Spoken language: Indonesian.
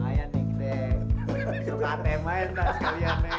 ayo nih kita kita teman teman sekalian ya